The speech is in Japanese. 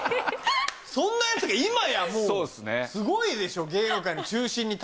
そんなやつが今やもう、すごいでしょ、やった。